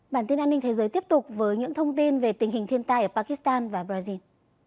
bản tin an ninh thế giới tiếp tục với những thông tin về tình hình thiên tai ở pakistan và brazil